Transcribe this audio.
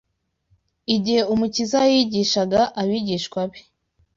Igihe Umukiza yigishaga abigishwa be